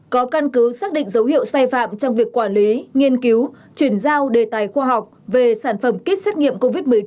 có căn cứ xác định dấu hiệu sai phạm trong việc quản lý nghiên cứu chuyển giao đề tài khoa học về sản phẩm kit xét nghiệm covid một mươi chín